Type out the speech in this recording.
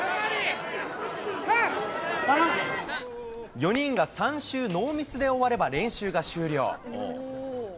４人が３周ノーミスで終われば練習が終了。